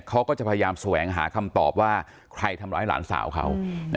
เขาก็จะพยายามแสวงหาคำตอบว่าใครทำร้ายหลานสาวเขา